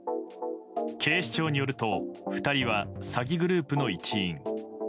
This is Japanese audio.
警視庁によると２人は詐欺グループの一員。